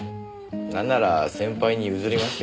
なんなら先輩に譲りますけど。